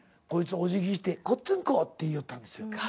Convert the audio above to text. こいつおじぎして「ごっつんこ」って言うたんですよ。